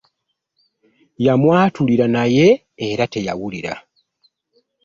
Yamwatulira naye era teyawulira.